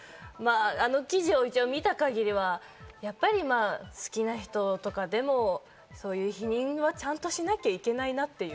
記事を一応見た限りでは、やっぱり好きな人とかでも避妊はちゃんとしなきゃいけないなっていう。